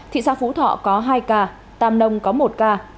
thị xã phú thọ có hai ca tam nông có một ca